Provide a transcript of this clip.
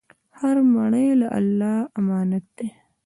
هر مړی د الله امانت دی.